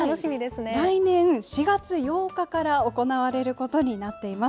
来年４月８日から行われることになっています。